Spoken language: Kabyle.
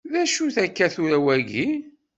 D acu-t akka tura wagi?